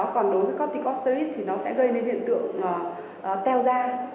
còn đối với corticosteroids thì nó sẽ gây đến hiện tượng là teo da